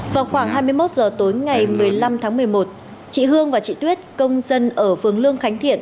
vào khoảng hai mươi một h tối ngày một mươi năm tháng một mươi một chị hương và chị tuyết công dân ở phường lương khánh thiện